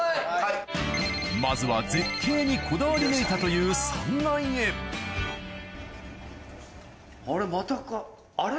まずは絶景にこだわり抜いたという３階へあれまたあれ？